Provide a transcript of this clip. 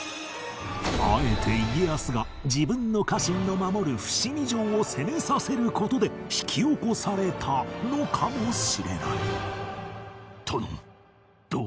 あえて家康が自分の家臣の守る伏見城を攻めさせる事で引き起こされたのかもしれない